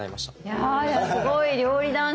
いやすごい料理男子だね。